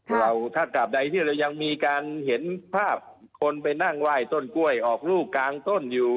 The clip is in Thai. เราถ้ากราบใดที่เรายังมีการเห็นภาพคนไปนั่งไหว้ต้นกล้วยออกลูกกลางต้นอยู่